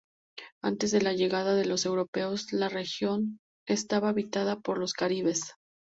Antes de la llegada de los europeos, la región estaba habitada por los caribes.